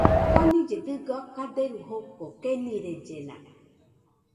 Konillɨe dɨga kaderu joko, kenirellena.